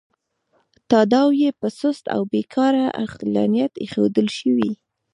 تاداو یې په سست او بې کاره عقلانیت اېښودل شوی.